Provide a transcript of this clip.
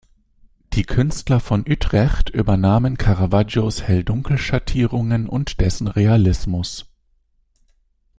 Die Künstler von Utrecht übernahmen Caravaggios Hell-Dunkel-Schattierungen und dessen Realismus.